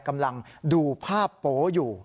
กำลังดูภาพโป๊อยู่